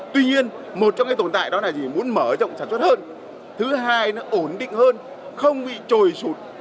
tuy nhiên một trong cái tồn tại đó là gì muốn mở rộng sản xuất hơn thứ hai nó ổn định hơn không bị trồi sụt